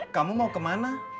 kamu mau kemana